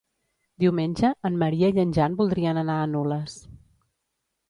Diumenge en Maria i en Jan voldrien anar a Nules.